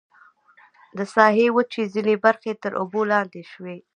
د ساحې وچې ځینې برخې تر اوبو لاندې شوې.